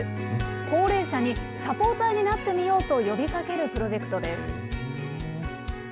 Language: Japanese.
高齢者にサポーターになってみようと呼びかけるプロジェクトです。